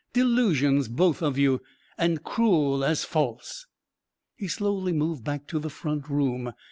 "Delusions, both of you, and cruel as false!" He slowly moved back to the front room.